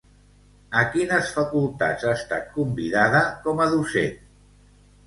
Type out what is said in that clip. A quines facultats ha estat convidada com a docent?